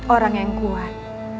orang yang kuat